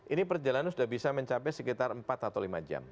ini perjalanan sudah bisa mencapai sekitar empat atau lima jam